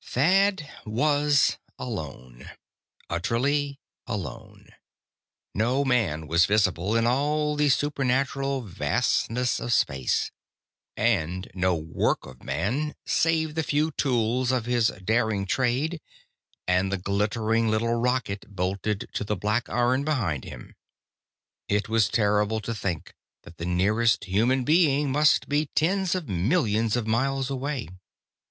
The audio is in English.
Thad was alone. Utterly alone. No man was visible, in all the supernal vastness of space. And no work of man save the few tools of his daring trade, and the glittering little rocket bolted to the black iron behind him. It was terrible to think that the nearest human being must be tens of millions of miles away.